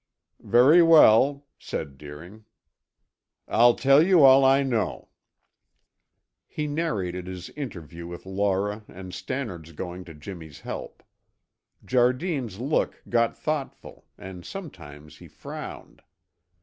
"Very well," said Deering. "I'll tell you all I know." He narrated his interview with Laura and Stannard's going to Jimmy's help. Jardine's look got thoughtful and sometimes he frowned.